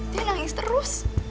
raya nangis terus